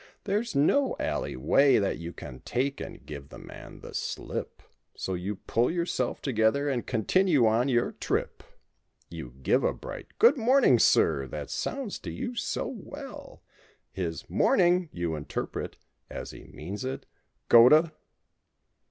There's no alley way that you can take and give the man the slip, So you pull yourself together and continue on your trip. You give a bright "Good morning. Sir!" that sounds to you so well— ^His "Morning!" you interpret, as he means it: "Go to